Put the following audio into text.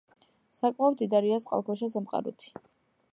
საკმაოდ მდიდარია წყალქვეშა სამყაროთი.